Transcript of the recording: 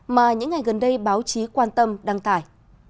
mà những ngày gần đây báo chí quan tâm đăng tải